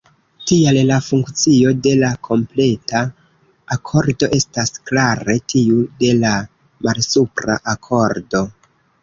Tial la funkcio de la kompleta akordo estas klare tiu de la malsupra akordo.